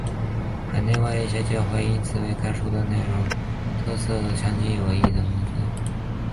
海内外一些教会还因该书内容的属灵特色和详尽且有益的注解而用作主日学教材。